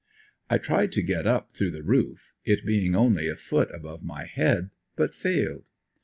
I tried to get up through the roof it being only a foot above my head but failed.